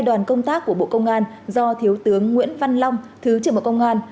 đoàn công tác của bộ công an do thiếu tướng nguyễn văn long thứ trưởng bộ công an